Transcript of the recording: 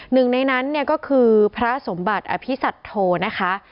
หนึ่งในนั้นก็คือพระสมบัติอภิสัตว์โทนะคะ